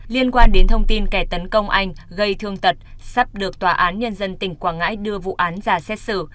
liên quan đến thông tin kẻ tấn công anh gây thương tật sắp được tòa án nhân dân tỉnh quảng ngãi đưa vụ án ra xét xử